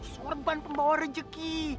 sorban pembawa rezeki